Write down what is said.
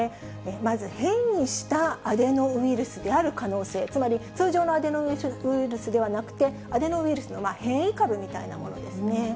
まず変異したアデノウイルスである可能性、つまり通常のアデノウイルスではなくて、アデノウイルスの変異株みたいなものですね。